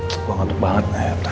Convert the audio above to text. tuk banget tuk banget ya tante